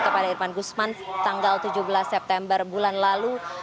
kepada irman gusman tanggal tujuh belas september bulan lalu